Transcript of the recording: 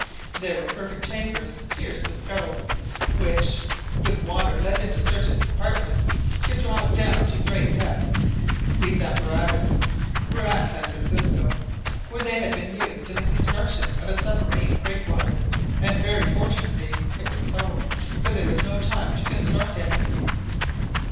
There were perfect chambers pierced with scuttles, which, with water let into certain compartments, could draw it down into great depths. These apparatuses were at San Francisco, where they had been used in the construction of a submarine breakwater; and very fortunately it was so, for there was no time to construct any.